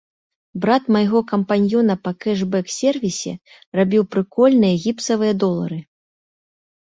Брат майго кампаньёна па кэшбэк-сервісе рабіў прыкольныя гіпсавыя долары.